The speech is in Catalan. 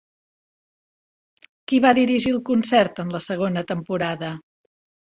Qui va dirigir el concert en la segona temporada?